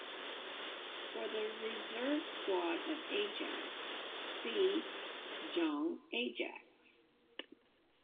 For the reserve squad of Ajax see: Jong Ajax.